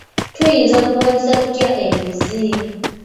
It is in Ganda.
Tuyinza kulwanyisa tutya enguzi?